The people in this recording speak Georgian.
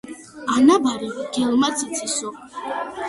ანაბარი, მგელმაც იცისო.